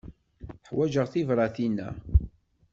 Ḥwaǧeɣ tibratin-a.